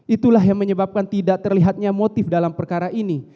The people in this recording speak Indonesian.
itulah yang menyebabkan tidak terlihatnya motif dalam perkara ini